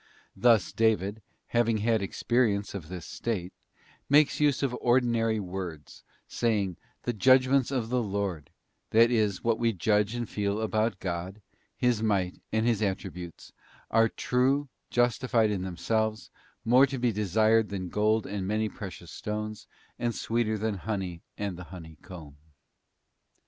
Thus David, haying had experience of this state, makes use of ordinary words, saying, ' The judgments of the Lord,' that is, what we judge and feel about God, His Might and His Attributes, ' are true, justified in themselves, more to be desired than gold and many precious stones, and sweeter than honey and the honeycomb.